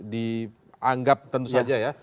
dianggap tentu saja ya